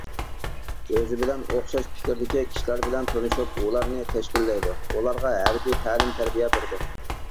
ئۆزى بىلەن ئوخشاش پىكىردىكى كىشىلەر بىلەن تونۇشۇپ ئۇلارنى تەشكىللەيدۇ، ئۇلارغا ھەربىي تەلىم تەربىيە بېرىدۇ.